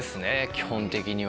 基本的には。